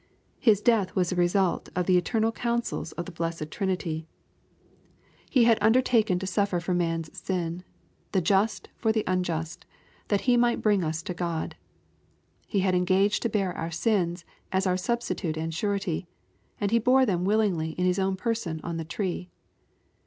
His death was the result of the eternal counsels of the blessed Trinity. He had under* 308 EXPOSITORT THOUGHTS. taken to suffer for man's sin^ the just for the nnjust, that He might bring us to God. He had engaged to bear our sins, as our Substitute and Surety^ and He bore them willingly in His own person on the tree.